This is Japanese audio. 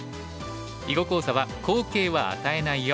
囲碁講座は「好形は与えないよ」。